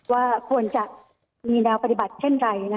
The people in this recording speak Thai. ว่าควรจะมีแนวปฏิบัติเช่นใด